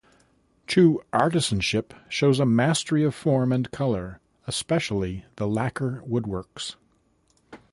Chu artisanship shows a mastery of form and color, especially the lacquer woodworks.